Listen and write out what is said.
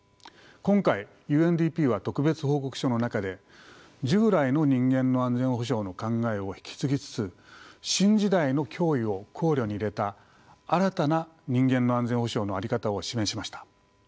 今回ＵＮＤＰは特別報告書の中で従来の人間の安全保障の考えを引き継ぎつつ新時代の脅威を考慮に入れた新たな人間の安全保障の在り方を示しました。